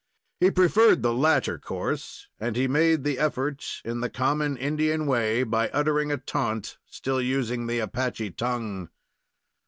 He preferred the latter course, and he made the effort in the common Indian way, by uttering a taunt, still using the Apache tongue.